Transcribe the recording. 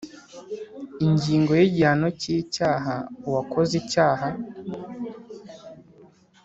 Ingingo y igihano cy icyaha uwakoze icyaha